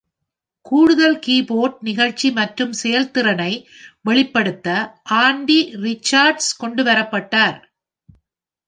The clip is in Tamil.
கூடுதல் கீபோர்ட் நிகழ்சி மற்றும் செயல்திறனை வெளிப்படுத்த ஆன்டி ரிச்சர்ட்ஸ் கொண்டு வரப்பட்டார்.